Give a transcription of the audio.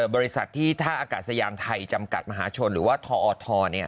บริษัทที่ท่าอากาศยานไทยจำกัดมหาชนหรือว่าทอท